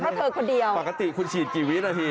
ปกติคุณฉีดปกติคุณฉีดกี่วินาที